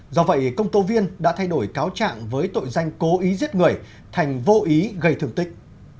do vậy công tố viên đã thay đổi cáo trạng với tội danh cố ý giết người thành vô ý gây thương tích